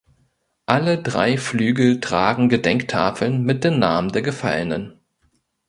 Alle drei Flügel tragen Gedenktafeln mit den Namen der Gefallenen.